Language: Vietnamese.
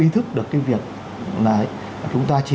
ý thức được cái việc là chúng ta chỉ